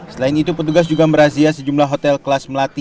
selain itu petugas juga merazia sejumlah hotel kelas melati